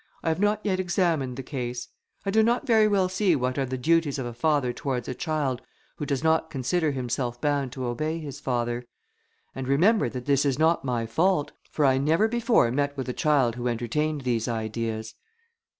I have not yet examined the case. I do not very well see what are the duties of a father towards a child who does not consider himself bound to obey his father. And remember that this is not my fault, for I never before met with a child who entertained these ideas."